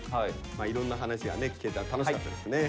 いろんな話が聞けて楽しかったですね。